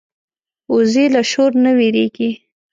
وزې له شور نه وېرېږي